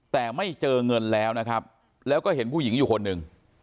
แต่ไม่เจอเงินแล้วนะครับแล้วก็เห็นผู้หญิงอยู่คนหนึ่ง